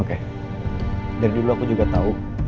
oke dari dulu aku juga tahu